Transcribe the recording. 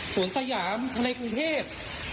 ฝนตะหยามทะเลฟรุงเทศ